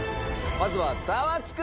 まずは『ザワつく！